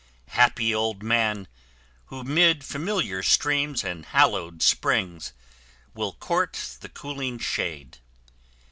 Happy old man, who 'mid familiar streams And hallowed springs, will court the cooling shade!